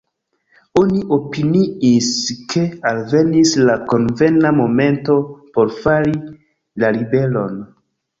Oni opiniis, ke alvenis la konvena momento por fari la ribelon.